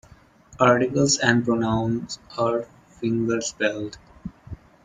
Articles and pronouns are fingerspelled.